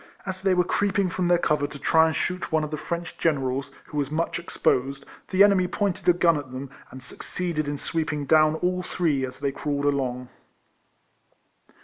As they were creeping from their cover to try and shoot one of the French generals, who was much exposed, the enemy pointed a gun at them, and succeeded in sweeping down all three, as they crawled along.